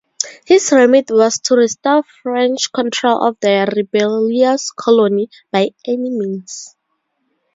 His remit was to restore French control of their rebellious colony, by any means.